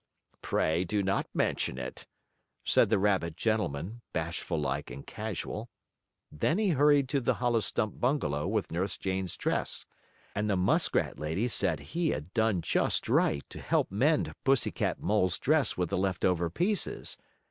"Pray do not mention it," said the rabbit gentleman, bashful like and casual. Then he hurried to the hollow stump bungalow with Nurse Jane's dress, and the muskrat lady said he had done just right to help mend Pussy Cat Mole's dress with the left over pieces.